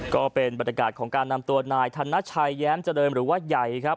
ก็เป็นบรรยากาศของการนำตัวนายธนชัยแย้มเจริญหรือว่าใหญ่ครับ